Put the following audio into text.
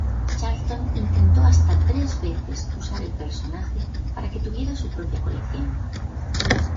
Charlton intentó hasta tres veces usar el personaje para que tuviera su propia colección.